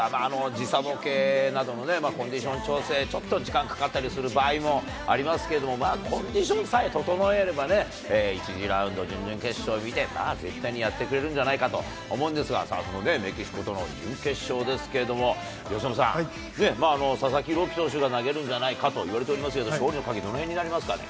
時差ボケなどのね、コンディション調整、ちょっと時間かかったりする場合もありますけども、まあ、コンディションさえ整えればね、１次ラウンド、準々決勝みたいにまあ、絶対にやってくれるんじゃないかと思うんですが、メキシコとの準決勝ですけれども、由伸さん、佐々木朗希投手が投げるんじゃないかと言われておりますけど、勝利の鍵は、どの辺になりますかね。